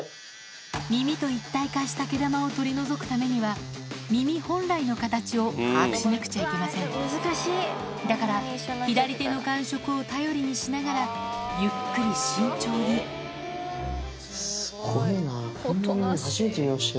耳と一体化した毛玉を取り除くためには耳本来の形を把握しなくちゃいけませんだから左手の感触を頼りにしながらゆっくり慎重にすごいな。